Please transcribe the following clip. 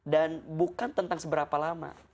dan bukan tentang seberapa lama